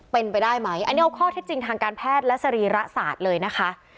เป็นไปได้ไหมอันนี้เอาข้อเท็จจริงทางการแพทย์และสรีระศาสตร์เลยนะคะ